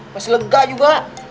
masih lega juga